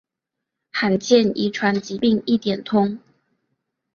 罕见遗传疾病一点通